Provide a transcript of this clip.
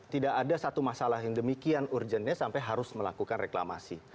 tidak ada satu masalah yang demikian urgentnya sampai harus melakukan reklamasi